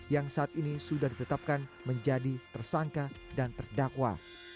yang saat ini sudah ditetapkan menjadi tersangka dan terdakwa